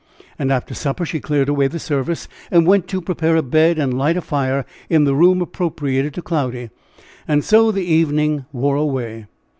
And after supper she cleared away the service, and went to prepare a bed and light a fire in the room appropriated to Cloudy. And so the evening wore away.